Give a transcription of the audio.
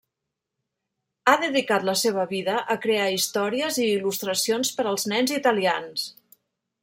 Ha dedicat la seva vida a crear històries i il·lustracions per als nens italians.